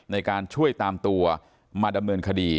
ในการช่วยตามตัวมาดำเนินคดี